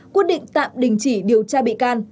quyết định tạm đình chỉ điều tra bị can